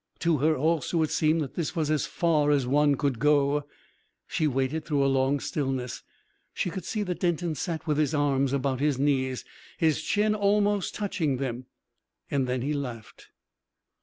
To her, also, it seemed that this was as far as one could go. She waited through a long stillness. She could see that Denton sat with his arms about his knees, his chin almost touching them. Then he laughed.